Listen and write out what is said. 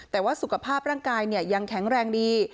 แต่ว่าสุขภาพร่างกายยังแข็งแรงดี